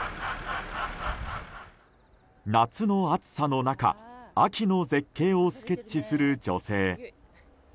夏の暑さの中秋の絶景をスケッチする女性。